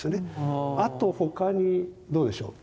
あと他にどうでしょう